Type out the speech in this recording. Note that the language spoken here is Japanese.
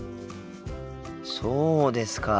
そうですか。